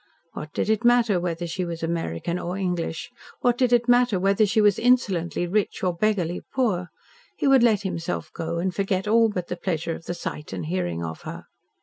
What did it matter whether she was American or English what did it matter whether she was insolently rich or beggarly poor? He would let himself go and forget all but the pleasure of the sight and hearing of her.